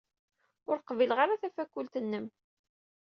Ur qbileɣ ara tafakult-nnem.